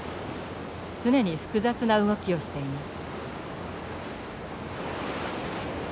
常に複雑な動きをしています。